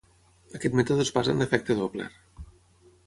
Aquest mètode es basa en l'efecte Doppler.